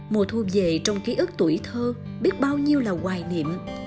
mùa thu về trong ký ức tuổi thơ biết bao nhiêu là hoài niệm